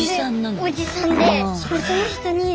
おじさんで。